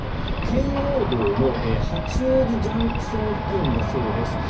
圏央道の八王子ＪＣＴ付近だそうです。